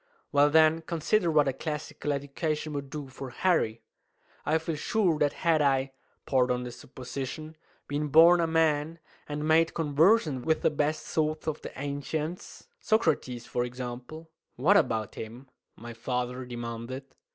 "Well, then, consider what a classical education would do for Harry! I feel sure that had I pardon the supposition been born a man, and made conversant with the best thoughts of the ancients Socrates, for example " "What about him?" my father demanded.